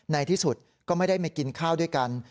ในที่สุดก็ไม่ได้มากินข้าวด้วยกัน